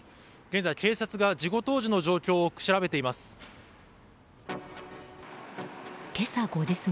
現在、警察が事故当時の状況を調べています。